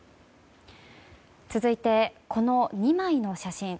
続いて、この２枚の写真。